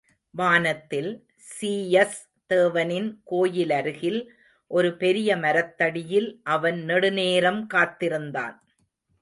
வனத்தில், சீயஸ் தேவனின் கோயிலருகில், ஒரு பெரிய மரத்தடியில் அவன் நெடுநேரம் காத்திருந்தான்.